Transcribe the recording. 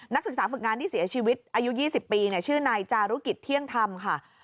ศึกษาฝึกงานที่เสียชีวิตอายุ๒๐ปีชื่อนายจารุกิจเที่ยงธรรมค่ะ